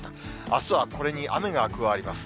あすはこれに雨が加わります。